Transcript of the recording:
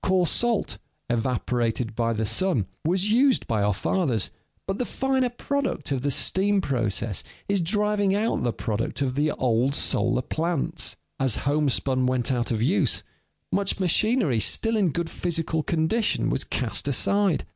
Coarse salt, evaporated by the sun, was used by our fathers, but the finer product of the steam process is driving out the product of the old solar plants. As homespun went out of use, much machinery still in good physical condition was cast aside.